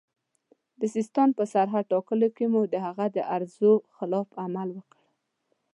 د سیستان په سرحد ټاکلو کې مو د هغه د ارزو خلاف عمل وکړ.